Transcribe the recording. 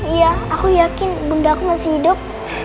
iya aku yakin benda aku masih hidup